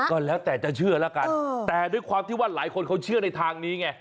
ก็แล้วแต่จะเชื่อแล้วกันแต่ด้วยความที่ว่าหลายคนเขาเชื่อในทางนี้ไง